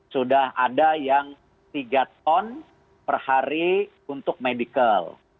sudah ada yang tiga ton per hari untuk medical